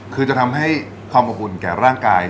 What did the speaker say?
คือจะทำให้ความอบอุ่นแก่ร่างกาย